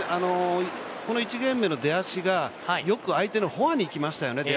この１ゲーム目の出足が相手のフォアによくいきましたよね。